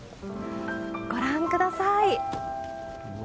ご覧ください。